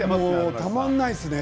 たまらないですね